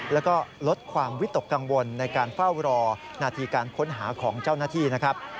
แล้วก็ลดความวิตกกังวลในการเฝ้ารอนาทีการค้นหาของเจ้าหน้าที่นะครับ